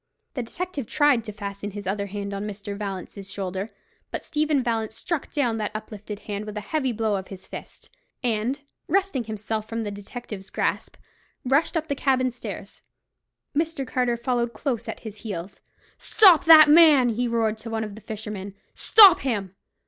The detective tried to fasten his other hand on Mr. Vallance's shoulder; but Stephen Vallance struck down that uplifted hand with a heavy blow of his fist, and, wresting himself from the detective's grasp, rushed up the cabin stairs. Mr. Carter followed close at his heels. "Stop that man!" he roared to one of the fishermen; "stop him!"